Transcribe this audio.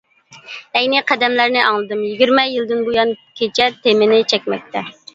ئەينى قەدەملەرنى ئاڭلىدىم، يىگىرمە يىلدىن بۇيان كېچە تېمىنى چەكمەكتە.